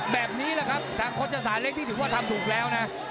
แบบนี้แหละครับทางโฆษศาสเล็กนี่ถือว่าทำถูกแล้วนะ